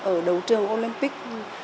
ở đấu trường olympic hai nghìn hai mươi bốn